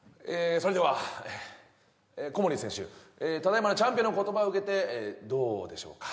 それでは小森選手ただいまのチャンピオンの言葉を受けてどうでしょうか？